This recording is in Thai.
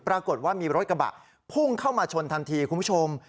ปรากฏว่ามีรถกระบะพุ่งเข้ามาชนทันทีคุณผู้ชม